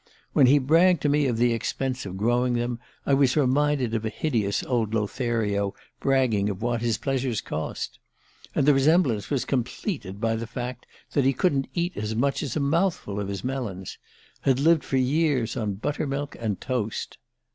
When he bragged to me of the expense of growing them I was reminded of a hideous old Lothario bragging of what his pleasures cost. And the resemblance was completed by the fact that he couldn't eat as much as a mouthful of his melons had lived for years on buttermilk and toast.